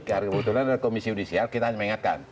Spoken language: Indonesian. karena kebetulan ada komisi judisial kita ingatkan